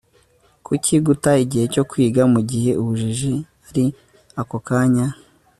kuki guta igihe cyo kwiga, mugihe ubujiji ari ako kanya